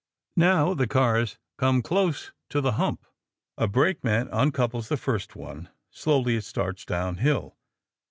Now the cars come close to the hump. A brakeman uncouples the first one. Slowly it starts downhill.